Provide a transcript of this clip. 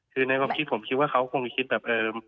คือในความคิดผมคิดว่าเขาคงคิดแบบเออ